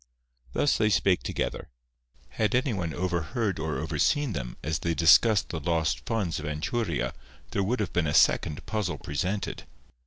Thus they spake together. Had anyone overheard or overseen them as they discussed the lost funds of Anchuria there would have been a second puzzle presented.